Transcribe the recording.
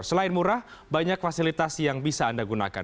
selain murah banyak fasilitas yang bisa anda gunakan